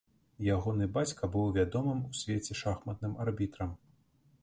Ягоны бацька быў вядомым у свеце шахматным арбітрам.